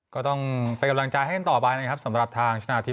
ก็ต้องเป็นกำลังใจให้กันต่อไปนะครับสำหรับทางชนะทิพ